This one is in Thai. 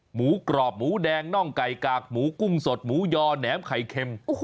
หมูกรอบหมูแดงน่องไก่กากหมูกุ้งสดหมูยอแหนมไข่เค็ม